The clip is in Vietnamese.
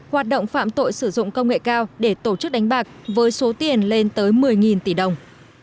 hoạt động phạm tội sử dụng công nghệ cao để tổ chức đánh bạc với số tiền lên tới một mươi tỷ đồng